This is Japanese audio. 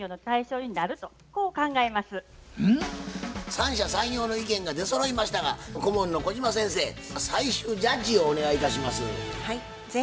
三者三様の意見が出そろいましたが顧問の小島先生最終ジャッジをお願いいたします。